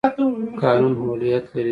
قانون اولیت لري.